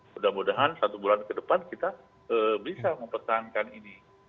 mudah mudahan satu bulan ke depan kita bisa mempertahankan ini